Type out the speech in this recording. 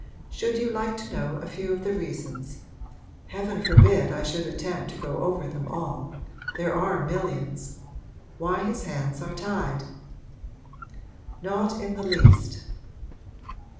Should you like to know a few of the reasons heaven forbid I should attempt to go over them all; there are millions! why his hands are tied?' 'Not in the least.'